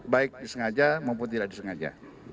baik disengaja maupun tidak disengaja